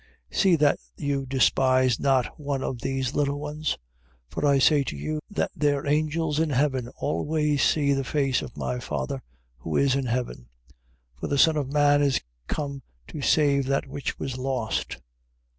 18:10. See that you despise not one of these little ones: for I say to you, that their angels in heaven always see the face of my Father who is in heaven. 18:11. For the Son of man is come to save that which was lost.